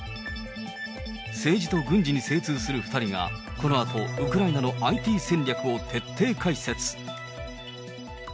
政治と軍事に精通する２人が、このあとウクライナのＩＴ戦略を徹底解説。